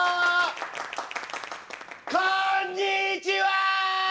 こんにちは！